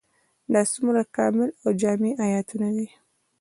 دا څومره کامل او جامع آيتونه دي ؟